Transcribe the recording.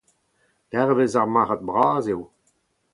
Devezh ar marc'had bras eo.